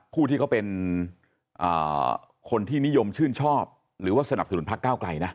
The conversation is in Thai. ผู้ที่เขาเป็นคนที่นิยมชื่นชอบหรือว่าสนับสนุนพักเก้าไกลนะ